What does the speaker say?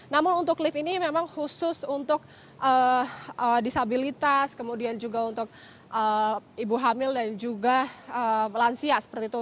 namun untuk lift ini memang khusus untuk disabilitas kemudian juga untuk ibu hamil dan juga lansia seperti itu